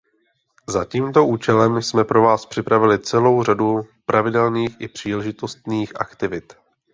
Za tímto účelem jsme pro Vás připravili celou řadu pravidelných i příležitostných aktivit.